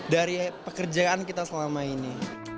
dari pekerjaan kita selama ini